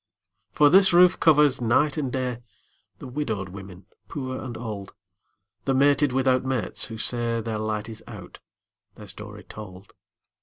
For this roof covers, night and day, The widowed women poor and old, The mated without mates, who say Their light is out, their story told.